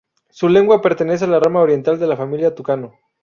Su lengua pertenece a la rama oriental de la Familia Tucano.